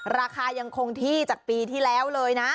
ราคายังคงที่กว่าจากปีที่แล้ว